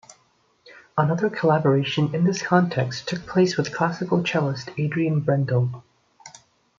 Another collaboration in this context took place with classical cellist Adrian Brendel.